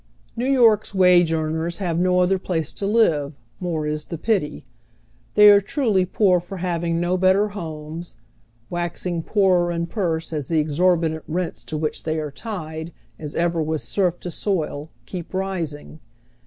New York's wage earners have no other place to live, more is the pity. They are truly poor for having no better homes ; waxing poorer in purse as the exorbitant rents to which they are tied, as ever was serf to soil, keep rising.